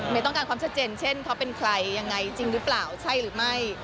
ต้องการความชัดเจนเช่นเขาเป็นใครยังไงจริงหรือเปล่าใช่หรือไม่